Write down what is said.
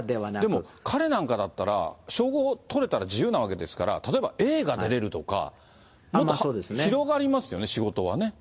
でも、彼なんかだったら、称号取れたら自由なわけですから、例えば映画出れるとか、もっと広がりますよね、仕事がね。